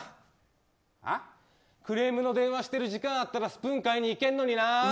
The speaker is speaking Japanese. クレームの電話してる時間があればスプーン買いに行けるのにな。